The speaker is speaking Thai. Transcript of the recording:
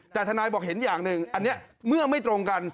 แต่ทนายบอกเห็นอย่างหนึ่งอันนี้เมื่อไม่ตรงกัน